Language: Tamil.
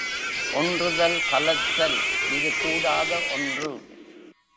ஒன்றுதல், கலத்தல், இது கூடாத ஒன்று.